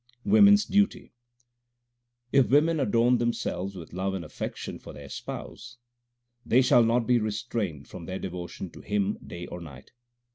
Women s duty : If women adorn themselves with love and affection for their Spouse, They shall not be restrained from their devotion to Him day or night.